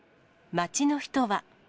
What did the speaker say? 街の人は。